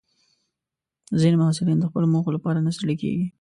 ځینې محصلین د خپلو موخو لپاره نه ستړي کېږي.